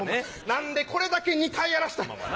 何でこれだけ２回やらした？